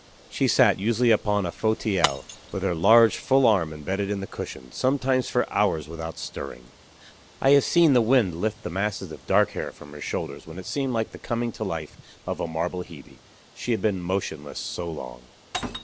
She sat, usually, upon a fauteuil, with her large, full arm embedded in the cushion, sometimes for hours without stirring. I have seen the wind lift the masses of dark hair from her shoulders when it seemed like the coming to life of a marble Hebe she had been motionless so long.